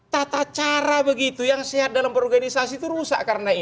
tata cara begitu yang sehat dalam berorganisasi itu rusak karena ini